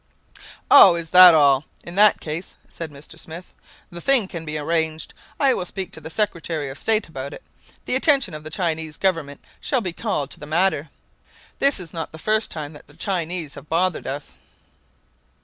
"O, is that all? In that case," said Mr. Smith, "the thing can be arranged. I will speak to the Secretary of State about it. The attention of the Chinese government shall be called to the matter. This is not the first time that the Chinese have bothered us."